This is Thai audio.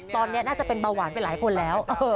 ตอนนี้น่าจะเป็นเบาหวานไปหลายคนแล้ว